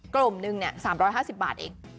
กลุ่มหนึ่ง๓๕๐บาทเอง